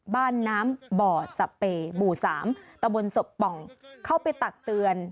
บ้านน้ำบ่อสเปบุสตบนสบเข้าไปตักเตือน